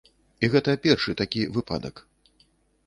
І гэта першы такі выпадак.